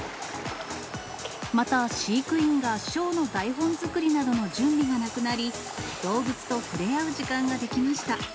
また、飼育員がショーの台本作りなどの準備がなくなり、動物と触れ合う時間ができました。